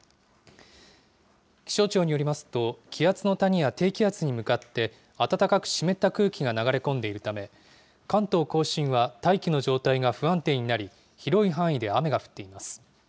気象庁によりますと、気圧の谷や低気圧に向かって、暖かく湿った空気が流れ込んでいるため、関東甲信は大気の状態が不安定になり、広い範囲で雨が降っています。